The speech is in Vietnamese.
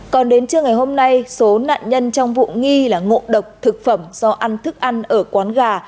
còn đến trưa ngày hôm nay số nạn nhân trong vụ nghi là ngộ độc thực phẩm do ăn thức ăn ở quán gà